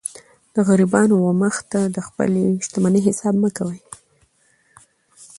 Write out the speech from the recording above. د غریبانو و مخ ته د خپلي شتمنۍ حساب مه کوئ!